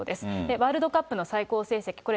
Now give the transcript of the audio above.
ワールドカップの最高成績、これ、